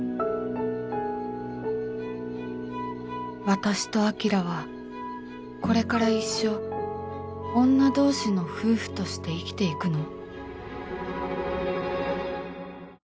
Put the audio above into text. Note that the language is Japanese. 私と晶はこれから一生女同士の夫婦として生きていくの？